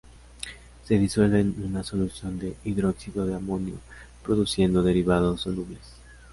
Se disuelve en una solución de hidróxido de amonio produciendo derivados solubles.